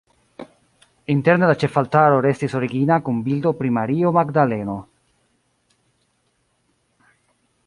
Interne la ĉefaltaro restis origina kun bildo pri Mario Magdaleno.